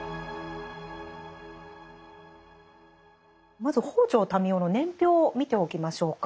まず北條民雄の年表を見ておきましょうか。